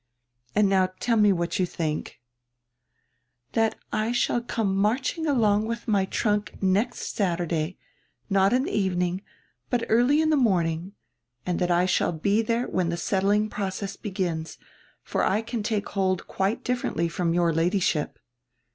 And now tell me what you think," "That I shall come marching along with my trunk next Saturday, not in die evening, but early in die morning, and diat I shall be there when die settling process begins. For I can take hold quite differendy from your Ladyship."